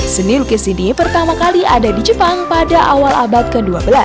seni lukis ini pertama kali ada di jepang pada awal abad ke dua belas